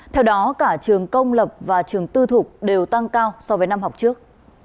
theo đó cả trường công lập và trường tư thục đều tăng cao so với năm học trước